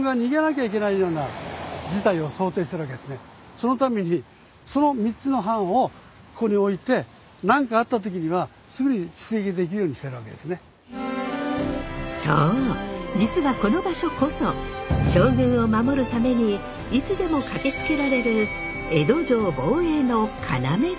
そのためにそのそう実はこの場所こそ将軍を守るためにいつでも駆けつけられる江戸城防衛の要だったのです。